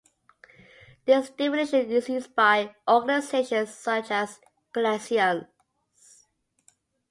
This definition is used by organisations such as Connexions.